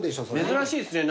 珍しいですね